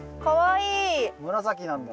紫なんだ。